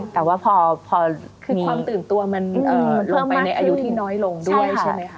แต่ว่าพอคือความตื่นตัวมันลงไปในอายุที่น้อยลงด้วยใช่ไหมคะ